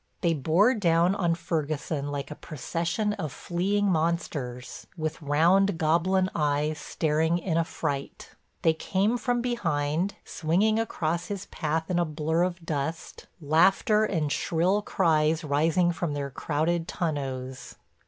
They bore down on Ferguson like a procession of fleeing monsters with round, goblin eyes staring in affright. They came from behind, swinging across his path in a blur of dust, laughter and shrill cries rising from their crowded tonneaus.